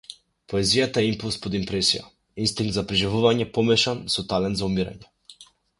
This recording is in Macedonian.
Поезијата е импулс под импресија, инстинкт за преживување помешан со талент за умирање.